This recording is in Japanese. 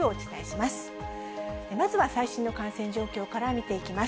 まずは最新の感染状況から見ていきます。